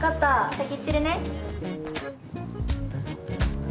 先行ってるね。